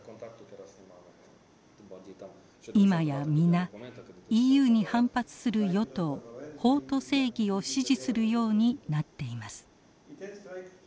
今や皆ＥＵに反発する与党法と正義を支持するようになっています。